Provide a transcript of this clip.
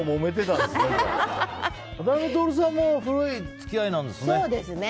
渡辺徹さんも古い付き合いなんですね。